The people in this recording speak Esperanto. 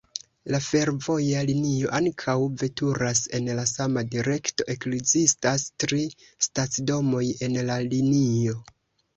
La fervoja linio ankaŭ veturas en la sama direkto. Ekzistas tri stacidomoj en la linio.